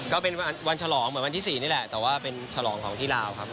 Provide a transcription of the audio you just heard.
ก็เป็นวันฉลองเหมือนวันที่๔นี่แหละแต่ว่าเป็นฉลองของที่ลาวครับ